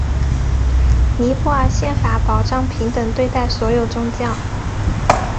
尼泊尔宪法保障平等对待所有宗教。